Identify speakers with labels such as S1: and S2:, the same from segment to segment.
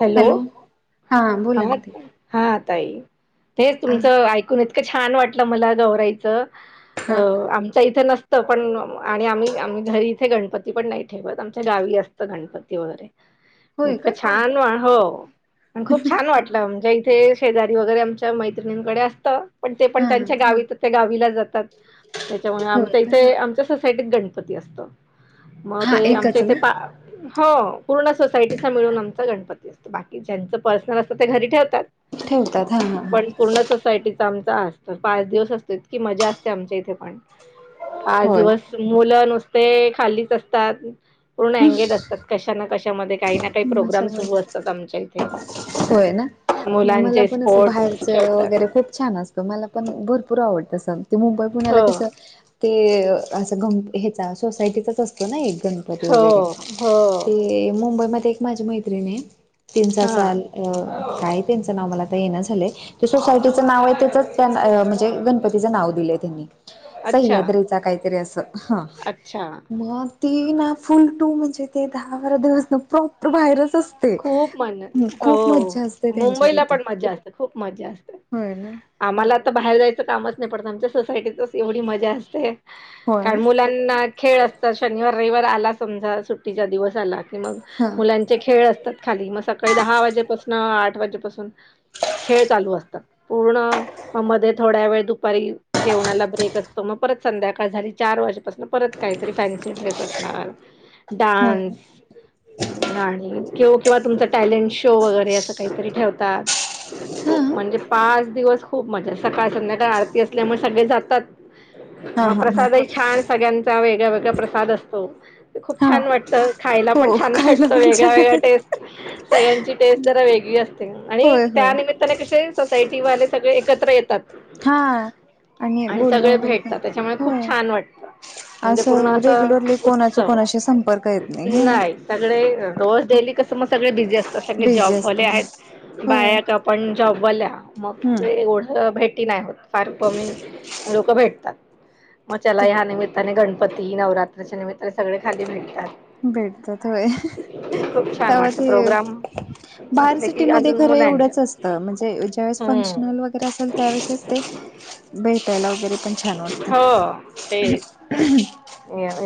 S1: Hello
S2: बोला
S1: हा
S2: ना ते
S1: हा ताई हेच
S2: हा
S1: तुमचं ऐकून येत इतक छान वाटलं मला गौरायचं अ आमच्या इथं नसतं. पण आणि आम्ही आम्ही घरी इथे गणपती पण नाही ठेवत आमच्या गावी असत. गणपती वगैरे
S2: होय का
S1: इतकं छान वाट हो आणि खूप छान वाटलं म्हणजे इथे शेजारी वगैरे आमच्या मैत्रिणींकडे असतं पण ते पण
S2: हा
S1: त्यांच्या गावीत त्या गावीला जातात त्याच्यामुळे
S2: होय
S1: आमच्या
S2: का
S1: इथे आमच्या. सा गणपती असत मग
S2: हा
S1: ते
S2: एकच
S1: आमच्या इथे
S2: ना
S1: हो पूर्ण सोसायटीचा मिळून आमचा गणपती असतो बाकी ज्यांचं पर्सनल असत ते घरी ठेवतात.
S2: ठेवतात हा हा हा
S1: पण पूर्ण सोसायटी आम असत पाच दिवस असतो इतकी मजा असते आमच्या इथे पण पाच
S2: होय
S1: दिवस मुलं नुसते खालीच असतात पूर्ण अंगेज असतात कशा ना कशामध्ये काही ना काही प्रोग्राम
S2: माझ्यावर
S1: सुरू असतात आमच्या इथे
S2: होय ना मला
S1: मुलांचे
S2: पण असं
S1: स्पोर्ट्स
S2: बाहेरच
S1: ठेवतात
S2: वगैरे खूप छान असत मला पण भरपूर आवडतं अस ते मुंबई पुण्याला
S1: हो
S2: कसं ते असं गण ह्याचा सोसायटीचाच असतो ना एक गणपती
S1: हो
S2: वगैरे
S1: हो
S2: ते मुंबईमध्येध्ये एक माझी मैत्रिणी तीन चार
S1: हा
S2: साल काय त्यांचं नाव मला आता येणं झालंय ते सोसायटीचं नाव आहे त्याचंचअ, त्यां म्हणजेच गणपतीचं नाव दिलंय त्यांनी
S1: अच्छा
S2: सह्याद्रीचा काहीतरी असं हा
S1: अच्छा
S2: मग ती ना फुल टू म्हणजे ते दहा बारा दिवस न प्रॉपर बाहेरच असं
S1: खूप मन हो
S2: त्यांच्या
S1: मुंबईला
S2: तिथं
S1: पण मज्जा असते, खूप मज्जा असते.
S2: होय ना
S1: आम्हाला आता बाहेर जायचं कामच नाही पणत आमच्या सोसायटीचं. एवढी मजा असते
S2: होय ना.
S1: कारण मुलांना खेळ असते. तर शनिवार, रविवार आला समजा सुट्टीचा दिवस आला कि मग
S2: हा
S1: मुलांचे खेळ अस. खाली मग सकाळी दहा वाजेपासून आठ वाजेपासून खेळ चालू असतात. पूर्ण मग मध्ये थोड्या वेळ दुपारी. जेवणाला ब्रेक असतो, मग परत संध्याकाळ झाली चार वाजेपासून परत काहीतरी फॅन्सी ड्रेस असणार.
S2: हा
S1: डान्स आणि. कि किंवा तुमचा टॅलेंट शो वगैरे असं काहीतरी ठेवतात म्हणजे. पाच दिवस खूप मजा सकाळ संध्याकाळ आरती असल्यामुळे सगळे जातात. हा प्रसादही छान सगळ्यांचा वेगळा वेगळा प्रसाद असतो. खूप
S2: हा
S1: छान वाटतं खायला
S2: हो
S1: पण छान
S2: खायला
S1: वाटतं
S2: पण
S1: वेगळ्या
S2: छान
S1: वेगळ्या. सगळ्यांची टेस्ट जरा वेगळी असते. आणि
S2: होय होय
S1: त्या कसे सोसायटी वाले सगळे एकत्र येतात.
S2: हा
S1: [inaudible] आणि
S2: बोलणं
S1: सगळे
S2: वगैरे पण
S1: भेटतात, त्याच्यामुळे खूप
S2: होय
S1: छान वाटतं. म्हणजे पूर्ण
S2: असं
S1: अस
S2: रेग्युलरली कोणाचा
S1: उत्सव
S2: कोणाशी संपर्क येत हे ना
S1: नाही सगळे रोज डेली. कसम सगळे बिझी असतात. सगळे
S2: बिझी
S1: जॉबवाले
S2: असते
S1: आहेत
S2: होय
S1: बायक आपण जॉबवाल्या. मग
S2: हम्म
S1: एवढं भेटी नाही होत फार कमी लोक भेटतात. मग त्याला या निमित्ताने गणपती नवरात्राच्या निमित्ताने सगळे खाली भेटतात.
S2: भेटतात होय.
S1: खूप छान
S2: त्या
S1: वाटतं
S2: ते
S1: प्रोग्राम
S2: बाार
S1: असले की अजून
S2: सिटीमध्येध्ये खरं
S1: मुलांच्या
S2: एवढंच असतं म्हणजे ज्यावेळेस फंक्शन.
S1: हम्म
S2: व असेल त्या ते भेटायला वगैरे पण छान वाटत. हम्.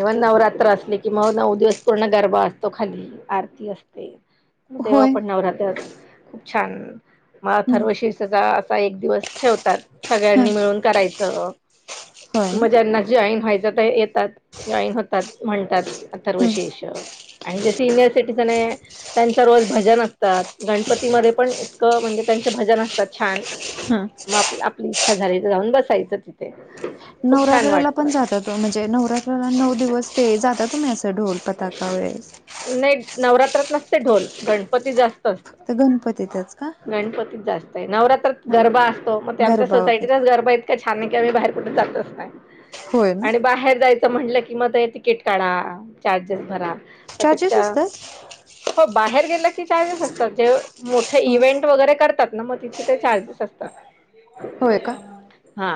S1: इवन नवरात्र असले कि मग नऊ दिवस पूर्ण गरबा असतो खाली. आरती असते. मग तेव्हा
S2: होय
S1: पण नवरहात खूप छान मला
S2: ह
S1: थर्वशीीषचा. एक दिवस ठेवतात. सगळ्यांनी मिळून करायचं
S2: होय ना
S1: मज्यांना जॉईन व्हायचं तर येत. जॉईन होतात म्हणतात
S2: हम्म
S1: अथर्वशेष आणि जे सिनियर सिटीझन आहे. त्यांच रोज भजन असतात गणपतीमध्ये पण इतकं म्हणजे त्यांचे भजन असतात छान.
S2: हा.
S1: आपली इच्छा झाली तर जाऊन बसायचं तिथे. खूप छान
S2: नवरात्राला पण
S1: वाटतं
S2: जात म्हणजे नवरात्राला नऊ दिवस ते जाता तुम्ही असं ढोलप. तकावेेज.
S1: नाही नवरात्रात नसते ढोल गणपती जास्त. असत
S2: फक्त गणपतीतच का.
S1: गणपतीत जास्त आहे नवरात्रात गरबा असतो मग ते आमच्या
S2: गरबा वगैरे
S1: सोसायटीचाच गरबा आहे. का छान नाही की आम्ही बाहेर कुठे जातच नाही
S2: होय ना
S1: आणि बाहेर जायचं. म्हटलं की मग तिकीट काढा चार्जेस भरा
S2: चार्जेस
S1: त्यापेक्षा.
S2: असतात
S1: हो बाहेर गेला की चार्जेस असतात जे मोठे
S2: हो
S1: इव्हेंट वगैरे करतात. मग तिथे ते चार्जेस असतात.
S2: होय का.
S1: हा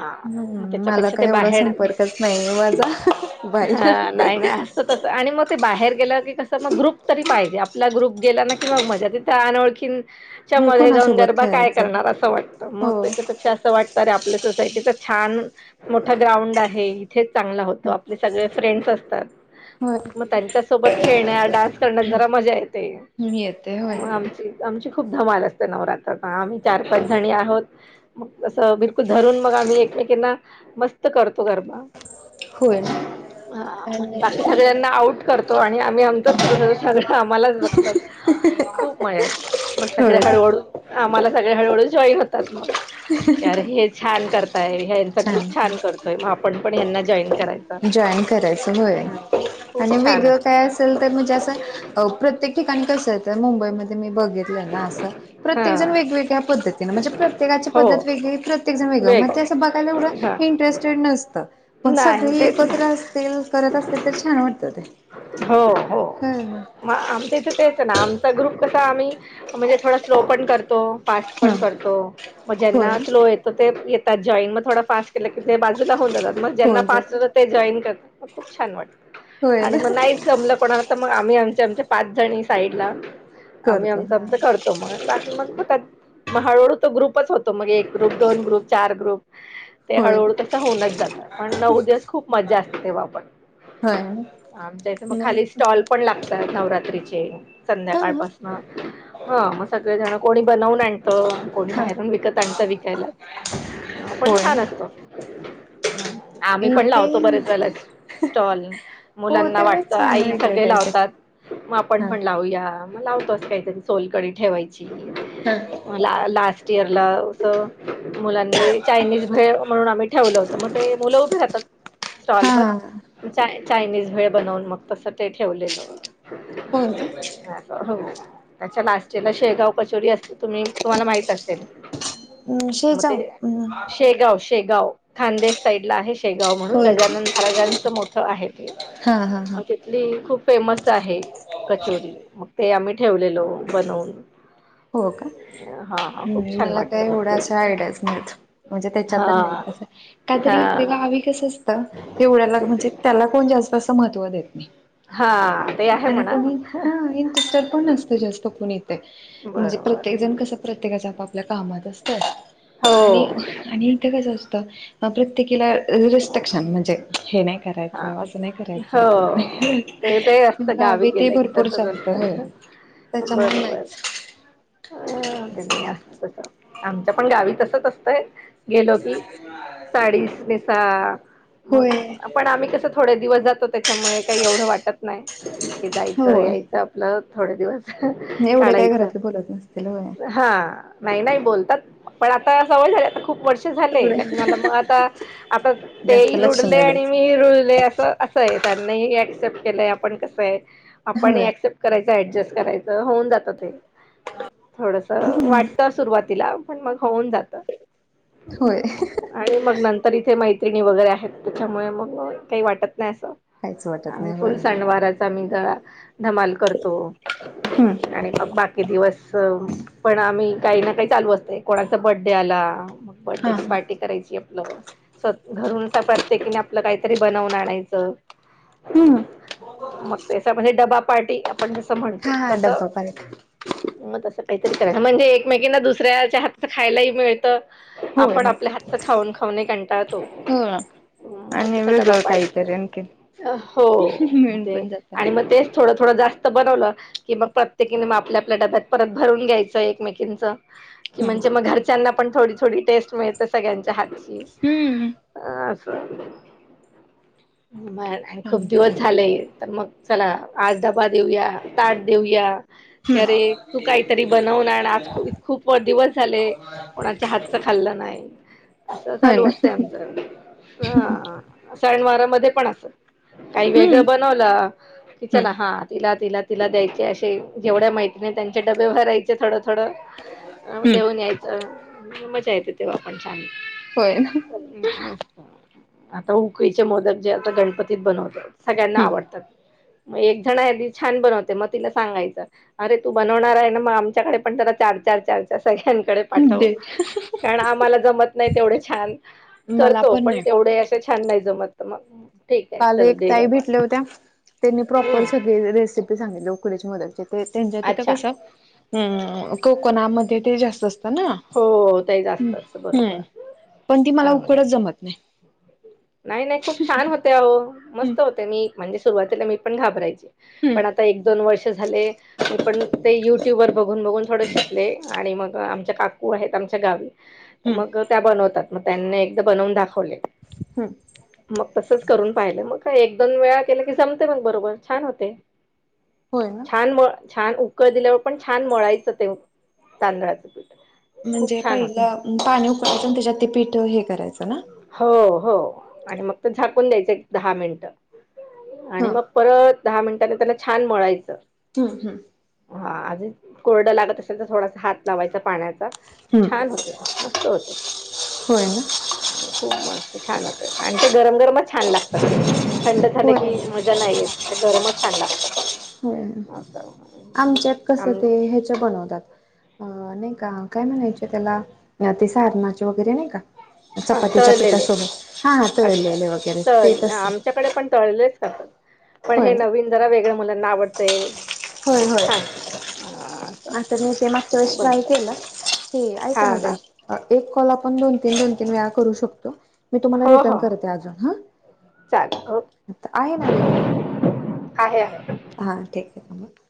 S1: मग
S2: हम् मला
S1: त्याच्यापेक्षा ते
S2: काय एवढा
S1: बाहेर
S2: संपर्कच नाही माझा बाहेर.
S1: ते. आणि मग ते बाहेर गेलं की कसं मग ग्रुप तरी पाहिजे आपला ग्रुप गेला ना की मग माझ्या तिथं अन ओळखीन. च्या
S2: हो
S1: मध्ये जाऊन
S2: कोणासोबत
S1: गरबा काय
S2: खेळायचं
S1: करणार असं वाटतं
S2: हो
S1: मग त्याच्या पेक्षा असं वाटत. तर आपल्या सोसायटीचा छान मोठा ग्राउंड आहे. थेच चांगला होतो आपले सगळे फ्रेंड्स असतात.
S2: होय.
S1: त्यांच्या सोबत खेळण्या डान्स करण्यात जरा मजा येतेग
S2: मी येते होय
S1: आमची. आमची खूप धमाल असते नवरात्रात आम्ही चार पाच जणी आहोत. मग असं बिलकुल धरून मग आम्ही एकमेकांना मस्त करतो गरबा.
S2: होय
S1: ह म्हणजे
S2: आणि
S1: बाकी सगळ्यांना आऊट करतो आणि आम्ही आमचाच सुरू ठेवतो सगळ्या आम्हालाच बघतात खूप मजा येत मग सगळ
S2: होय
S1: हळूहळू आम्हाला सगळे हळूहळू जॉईन होतात मगकी आरे हे छान करता ताय ह्याचा ग्रुप छान करतोय म आपण पण ह्यांना जॉईन करायच.
S2: जॉईन करायचं होय
S1: खूप
S2: आणि
S1: छान
S2: वेगळं
S1: असते
S2: काय असं तर म्हणजे असं प्रत्येक ठिकाणी कसं आहे तर मुंबईमध्ये मी बघी तल ना असं प्रत्येक जण
S1: हा
S2: वेगवेगळ्या पद्धतीने म्हणजे प्रत्येकाची
S1: हो
S2: पद्धत वेगवेगळी प्रत त्येक जण वेगळ म
S1: वेग
S2: असं बघायला
S1: हा.
S2: एवंढं इंटरेस्टेड नसतं पण
S1: नाही
S2: सगळी
S1: तेच ना
S2: एकत्र अस रील्स करत असतील तर छान वाटत ते.
S1: हो हो
S2: हा
S1: म आमच्या इथे तेच ना आमचा ग्रुप कसा आम्ही म्हणजे थोडा स्लो पण करतो. फास्ट पण करतो मग
S2: होय
S1: ज्यांना स्लो ये तर ते येतात जॉईन मग थोडा पास केला कि ते बाजूला होऊन जातात. मग ज्यांना
S2: होय
S1: फास्ट होतं ते जॉईन करत म खूप छान वाटतं.
S2: होय
S1: आणि
S2: न
S1: मग नाहीच जमलं कोणाला तर मग आम्ही आमच्या आमच्या पाच जणी साईडला आम्ही
S2: करतो
S1: आमचं
S2: हा
S1: आमच करतो म आणि बा मग होतात म हळूहळू तो ग्रुपच होतो मग एक ग्रुप दोन ग्रुप चार ग्रुप ते
S2: होय
S1: हळूहळू तसं होऊनच जात पण नऊ दिवस खूप मजा असते तेव्हा पण.
S2: हा
S1: आमच्या इथे मग खाली स्टॉल पण लागतात नवरात्रीचे
S2: हा
S1: संध्याकाळपासन हा मग सगळेजण कोणी बनवल आणत कोण
S2: हा
S1: बाहेरून विकत आणत विकायलाच पण छान
S2: होय
S1: असत. ह आम्ही पण
S2: इथे
S1: लावतो बरेच
S2: मस्त
S1: वेळेला स्टॉल.
S2: हो
S1: मुलांना वाटत
S2: तेवढंच छान
S1: आई
S2: वेगळं
S1: सगळे
S2: काहीतरी
S1: लावतात मग आपण
S2: हा
S1: पण लाव लाऊया मग लावतोस काहीतरी सोलकडी ठेवायची.
S2: हा
S1: म ला लास्ट इयरला अस मुलांनी चायनीज भेळ म्हणून आम्ही ठेवलं होतं म ते मुलं उभी राहतात
S2: हा
S1: स्टॉलवर चायनीज भेळ बनवून मग तसं ते ठेवलेलं.
S2: होय.
S1: असं हो त्याच्या लास्ट ला शेगाव कचोरी असते तुम्ही तुम्हाला माहित असेल.
S2: हम्म
S1: मग ते
S2: शेजावं अं
S1: शेगाव शेगाव. खान्देश साईडला आहे शेगाव म्हणून
S2: होय
S1: गजानन महाराजांचं मोठं आहे ते
S2: हा हा हा
S1: ली खूप फेमस आहे कचोरी मग ते आम्ही ठेवलेलो बनवून.
S2: हो का
S1: हा हा खूप छान
S2: मला काय
S1: वाटतं मग
S2: एवढ्या
S1: ते
S2: अशा आयडियाच नाहीत. म्हणजे त्याच्या
S1: हा
S2: तर नाही असं काहीतरी इकडे
S1: हा
S2: गावी कस असतं एवढ्याला म्हणजे त्याला कोण जास्त असं महत्व देत नाही.
S1: हा ते आहे
S2: आणि
S1: म्हणा
S2: कोणी हा इंटरेस्टेड पण नसत जास्त कुणीच म्हणजे
S1: बरोबर
S2: प्रत्येक जण कस प्रत्येकाच्या आपआपल्या कामात असत.
S1: हो
S2: आणि आणि इथं कसं असतं प्रत्येकीला रेस्ट्रिकशन म्हणजे हे नाय
S1: हा
S2: करायचं अस नाय करायचं.
S1: हो ते ते असतं गावी
S2: ते
S1: गेलं की
S2: भरपूर
S1: तसच
S2: चालतं होय.
S1: असत
S2: त्याच्यामुळे
S1: बरोबर.
S2: नाहीच.
S1: अ ते नाय अस तस आमच्या पण गावी तसच असतंय. गेलो की साडीचं नेसा मग
S2: होय
S1: पण आम्ही कसं थोडे दिवस जातो त्याच्यामुळे काही एवढं वाटत नाही की जायचं
S2: होय
S1: यायचं आपलं थोडे दिवस.
S2: एवढे काय
S1: काढायचं
S2: घरातले बोलत नसतील होय.
S1: हा नाही नाही बोलतात पण आता सवय झाल्या आता खूप वर्ष ल आ
S2: सगळे
S1: आ
S2: जास्त
S1: रु
S2: लक्ष नाही द्यायचं.
S1: रु अस आहे त्यांना अक्सेप्ट केलंय आपण कसं आहे आपण
S2: होय
S1: क्प करायचं ऍडजस्ट करायचं होऊन जातं ते थोडस
S2: हम्म
S1: वाटत सुरुवातीला पण मग होऊन जात
S2: होय
S1: आणि मग नंतर इथे मैत्रिणी वगैरे आहेत त्याच्यामुळे मग काही वाटत नाही असं
S2: काहीच वाटत
S1: आणि
S2: नाही होय
S1: फुल सणवाराच म ग धमाल करतो
S2: हम्म.
S1: आणि मग बाकी दिवस पण आम्ही काही ना काही चालू असते कोणाचा बर्डे आला
S2: हा
S1: बर्डेची
S2: हा.
S1: पार्टी करायची आपलं स्वः घरं प्रत्य आप काहीतरी बनवून आणायच
S2: हम्म
S1: मग ण डबा पार्टी आपण जस
S2: हा
S1: म्हणतो
S2: हा
S1: तस
S2: डब्बा पार्टी
S1: मग तसं काहीतरी करायचं म्हणजे एकमेकीना दुसऱ्याच्या हातच खायलाही मिळतं
S2: होय
S1: आपण
S2: होय.
S1: आपल्या हातच खाऊन खाऊन कंटाळतो
S2: हो
S1: मग
S2: आणि
S1: त डबा
S2: वेगळं
S1: पार्टी
S2: काहीतरी आणखीन
S1: करायला हो मग
S2: मिळून
S1: ते
S2: पण जात.
S1: मग तेच थोडं थोडं जास्त बनवलं कि मग प्रत्येकीने मग आपल्या आपल्या डाब्यात परत भरून घ्यायचं एकमेकींचं कि
S2: हम्म
S1: म्हणजे मग घरच्यांना पण थोडी थोडी टेस्ट मिळते सगळ्यांच्या हातची
S2: हम्म
S1: ब आणि खूप
S2: छानच असत.
S1: दिवस झालेय तर मग चला आज डबा देऊया ताट देऊया की अरे
S2: हम्म
S1: तू काहीतरी बनवून आण आज खूप दिवस झाले कोणाच्या हातचं खाल्लं नाही असं
S2: होय
S1: चालू
S2: ना
S1: असतंय आमचं. हा सनवारामध्येध्ये पण असत काही
S2: हम्म
S1: वेगळं बनवलं. की
S2: हम्म
S1: चला हा तिला तिला तिला द्यायचे असे जेवढ्या माहिती नाही त्यांचे डबे भरायचे. थोडं थोडं
S2: हम्म
S1: देऊन यायचं मजा येते तेव्हा आपण छान.
S2: होय ना
S1: मस्त आता उकडीचे मोदक जे आता गणपतीत बनवतात. सगळ्यांना आवडतात मग एक जण अदी छान बनवते मग तिला सांगायचं. अरे तू बनवणार आहे ना मग आमच्याकडे पण जरा चार चार चार चार. सळ्यांकडे
S2: हम्म
S1: पाठव
S2: दे.
S1: कारण आम्हाला जमत नाही तेवढ छान.
S2: मला
S1: पण
S2: नाही
S1: तेवढे असं छान नाही जमत मग. ठीक आहे
S2: काल
S1: चल
S2: एक
S1: दे
S2: ताई
S1: बाबा
S2: भेटल्या होत्या त्यांनी प्रॉपर
S1: हम्म
S2: सगळी रेसिपी सांगितली उकडची मोदकची. त्यांच्या तिथं
S1: अच्छा
S2: कसं अ कोकणामध्ये ते जास्त असतं ना.
S1: हो ते
S2: हम्
S1: जास्त असतं बरोबर
S2: हम्म पण ती मला
S1: चांगलंय.
S2: उकडच जमत नाही.
S1: नाही नाही खूप छान होत.
S2: हम्म
S1: मस्त होते मी म्हणजे सुरुवातीला मी पण घाबरायचे
S2: हम्म
S1: पण आता एक दोन वर्ष झाले. म पण ते युट्यूब वर बघून बघून थोड शिकले आणि मग आमच्या का ू आहेत आमच्या गावी तर
S2: हम्म
S1: मग त्या बनवतात मग त्यांनी एकदा बनवून दाखवले
S2: हम
S1: मग तसंच करून पाहिलं मग का एक दोन वेळा केलं की जमते मग बरोबर छान होते हा.
S2: होय ना.
S1: छान म छान उकळ दिल्यावर पण छान मळायचं ते तांदळाचं पीठ.
S2: म्हणजे
S1: खूप छान होते.
S2: पहिलं पाणी उकळायचं आणि त्याच्यात ते पीठ हे करायचं ना.
S1: हो हो आणि मग तर झाकून द्यायचं एक दहा मिनिट आणि
S2: हा
S1: मग. परत दहा मिनिटांने त्यांना छान मळायचं.
S2: हम्म हम्.
S1: हा अज कोरडं लागत असेल तर थोडासा हात लावायचा पाण्याचा. छान होते मस्त होते.
S2: हो ना.
S1: खूप मस्त छान होते आणि ते गरम गरमच छान लागतात. थंड झालं
S2: होय
S1: की मजा नाहीयेत ते गरमच छान लागतात.
S2: होय
S1: असं
S2: आमच्यात कस
S1: आम
S2: ते ह्याच्या बनवतात. अ नाही का काय म्हणायच त्याला ते सारणाचे वगैरे नाही का.
S1: हा
S2: चपातीच्या
S1: तळलेले
S2: पिठासोबत हा हा
S1: अच्छा
S2: तळलेले वगैरे ते
S1: तळले
S2: तसे
S1: आमच्याकडे पण तळलेच करतात. पण
S2: होय
S1: हे
S2: ना
S1: नवीन जरा वेगळ्या मुलांना आवडतंय
S2: होय
S1: मग
S2: होय
S1: छान होतं हा असं
S2: आता मी ते मागच्या
S1: त्याच्यामुळे
S2: वेस ट्राय
S1: बनवतात
S2: केलं. ते ऐका ना ते एक कॉल आपण दोन तीन दोन तीन वेळा करू शकतो. मी तुम्हाला
S1: हो
S2: रिटर्न
S1: हो
S2: करते अजून ह
S1: चालेल ओके
S2: आहे ना वेळ तुम्हाला.
S1: आहे.
S2: हा ठीक आहे का.